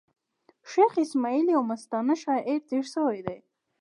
شېخ اسماعیل یو مستانه شاعر تېر سوﺉ دﺉ.